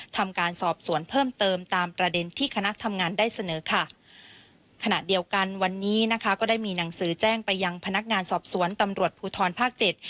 ทำการสอบสวนเพิ่มเติมตามประเด็นที่คณะทำงานได้เสนอค่ะขณะเดียวกันวันนี้นะคะก็ได้มีหนังสือแจ้งไปยังพนักงานสอบสวนตำรวจภูทรภาคเจ็ด